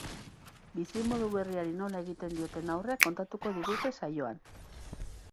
Bizimodu berriari nola egiten dioten aurre kontatuko digute saioan.